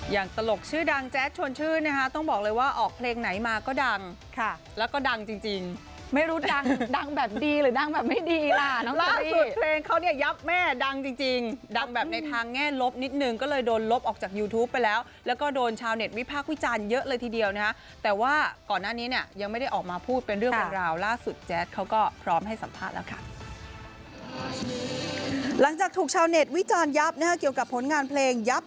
อย่างตลกชื่อดังแจ๊ดชวนชื่อนะฮะต้องบอกเลยว่าออกเพลงไหนมาก็ดังค่ะแล้วก็ดังจริงจริงไม่รู้ดังดังแบบดีหรือดังแบบไม่ดีล่ะน้องสวีสุดเพลงเขาเนี่ยยับแม่ดังจริงจริงดังแบบในทางแง่ลบนิดหนึ่งก็เลยโดนลบออกจากยูทูปไปแล้วแล้วก็โดนชาวเน็ตวิพากษ์วิจารณ์เยอะเลยทีเดียวนะฮะแต่ว่าก่